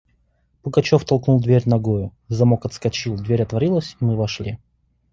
Пугачев толкнул дверь ногою; замок отскочил; дверь отворилась, и мы вошли.